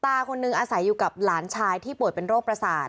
คนนึงอาศัยอยู่กับหลานชายที่ป่วยเป็นโรคประสาท